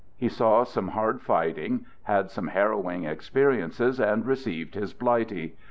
He saw some hard fighting, had some harrowing experiences, and re ceived his Blighty.